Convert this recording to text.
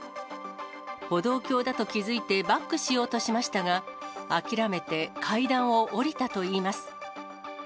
歩道橋だと気付いて、バックしようとしましたが、諦めて階段を下りたといいます。